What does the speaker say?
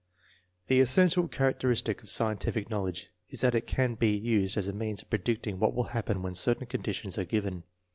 The essential characteristic of scientific knowledge is that it can be used as a means of predicting what will happen when certain conditions are given.